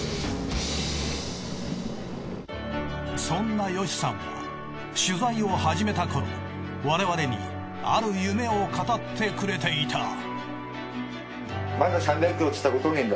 そんなヨシさんは取材を始めたころ我々にある夢を語ってくれていた。